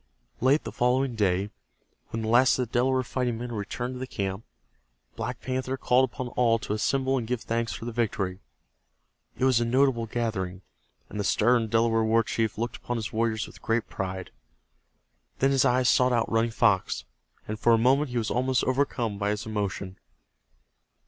Late the following day when the last of the Delaware fighting men had returned to the camp, Black Panther called upon all to assemble and give thanks for the victory. It was a notable gathering, and the stern Delaware war chief looked upon his warriors with great pride. Then his eyes sought out Running Fox, and for a moment he was almost overcome by his emotion.